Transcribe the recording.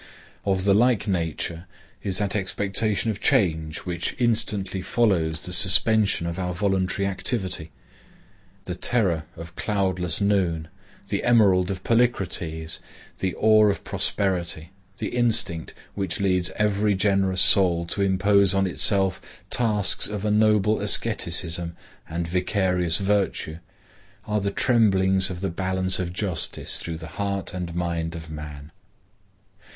Of the like nature is that expectation of change which instantly follows the suspension of our voluntary activity. The terror of cloudless noon, the emerald of Polycrates, the awe of prosperity, the instinct which leads every generous soul to impose on itself tasks of a noble asceticism and vicarious virtue, are the tremblings of the balance of justice through the heart and mind of man.